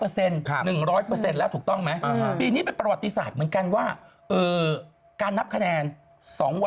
จนถึงหน้าบัตรหนาว